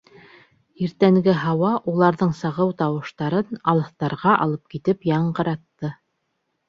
Иртәнге һауа уларҙың сағыу тауыштарын алыҫтарға алып китеп яңғыратты.